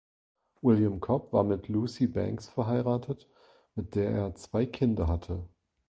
William Cobb war mit Lucy Banks verheiratet, mit der er zwei Kinder hatte.